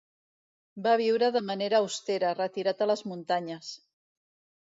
Va viure de manera austera, retirat a les muntanyes.